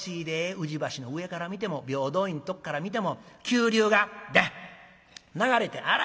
宇治橋の上から見ても平等院とっから見ても急流がビャッ流れてあら